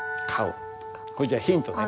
それじゃあヒントね。